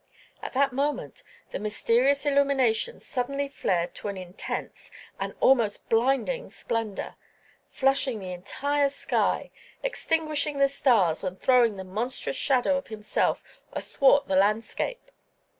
At that moment the mysterious illumination suddenly flared to an intense, an almost blinding splendor, flushing the entire sky, extinguishing the stars and throwing the monstrous shadow of himself athwart the landscape.